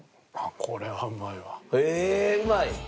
これはうまいわ。